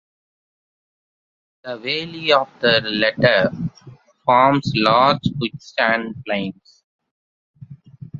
The valley of the latter forms large quicksand plains.